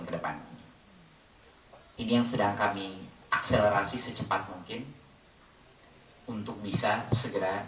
ke depan ini hai ini yang sedang kami akselerasi secepat mungkin hai untuk bisa segera